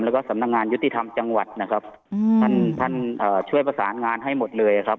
แล้วก็สำนักงานยุติธรรมจังหวัดนะครับท่านท่านช่วยประสานงานให้หมดเลยครับ